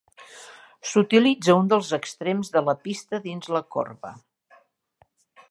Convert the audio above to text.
S'utilitza un dels extrems de la pista dins la corba.